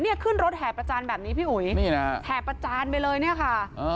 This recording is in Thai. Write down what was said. เนี่ยขึ้นรถแห่ประจานแบบนี้พี่อุ๋ยแห่ประจานไปเลยเนี่ยค่ะ